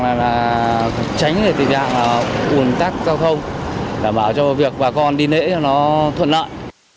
là tránh được tình trạng ôn tắc giao thông đảm bảo cho việc bà con đi lễ cho nó thuận lợi